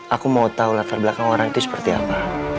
aku mau tahu latar belakang orang itu seperti apa